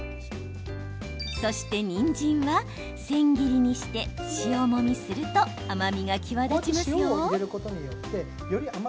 そして、にんじんは千切りにして塩もみすると甘みが際立ちますよ。